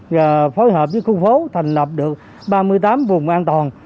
với khu phố thành lập được ba mươi tám vùng an toàn